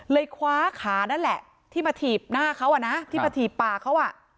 คว้าขานั่นแหละที่มาถีบหน้าเขาอ่ะนะที่มาถีบปากเขาอ่ะ